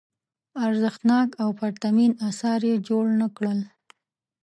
ارزښتناک او پرتمین اثار یې جوړ نه کړل.